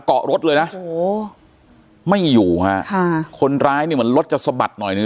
เกาะรถเลยนะโอ้โหไม่อยู่ฮะค่ะคนร้ายเนี่ยเหมือนรถจะสะบัดหน่อยหนึ่ง